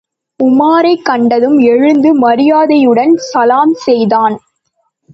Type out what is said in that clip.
உமாரைக் கண்டதும் எழுந்து மரியாதையுடன் சலாம் செய்தான்.